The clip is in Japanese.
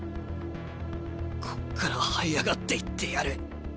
こっからはい上がっていってやる。